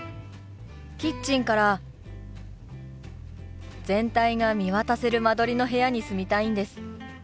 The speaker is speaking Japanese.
キッチンから全体が見渡せる間取りの部屋に住みたいんです。